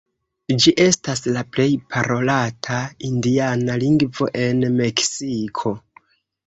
Ĝi estas la plej parolata indiana lingvo en Meksiko.